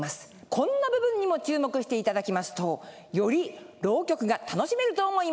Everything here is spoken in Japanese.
こんな部分にも注目していただきますとより浪曲が楽しめると思います。